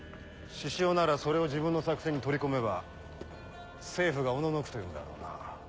志々雄ならそれを自分の作戦に取り込めば政府がおののくと読むだろうな。